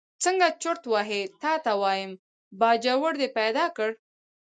څنګه چرت وهې تا ته وایم، باجوړ دې پیدا کړ.